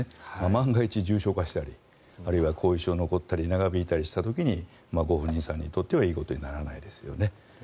万が一、重症化したりあるいは後遺症が残ったり長引いたりした時にご本人さんにとってはいいことにならないですよね。